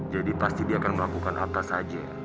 jadi pasti dia akan melakukan apa saja